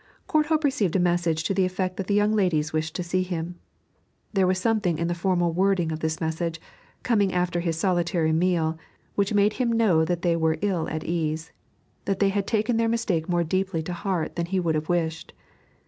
Courthope received a message to the effect that the young ladies wished to see him. There was something in the formal wording of this message, coming after his solitary meal, which made him know that they were ill at ease, that they had taken their mistake more deeply to heart than he would have wished.